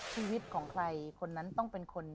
ชีวิตของใครคนนั้นต้องเป็นคน